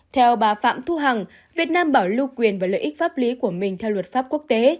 theo bà phạm thu hằng việt nam bảo lưu quyền và lợi ích pháp lý của mình theo luật pháp quốc tế